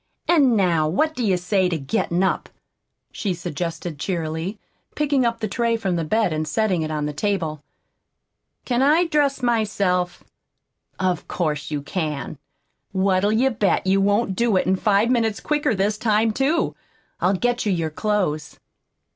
"An' now what do you say to gettin' up?" she suggested cheerily, picking up the tray from the bed and setting it on the table. "Can I dress myself?" "Of course you can! What'll you bet you won't do it five minutes quicker this time, too? I'll get your clothes."